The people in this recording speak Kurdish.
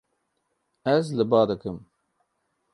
Ez li ba dikim.